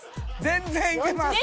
全然いけます。